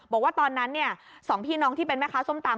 บอกว่าตอนนั้น๒พี่น้องที่เป็นแม่ค้าส้มตำ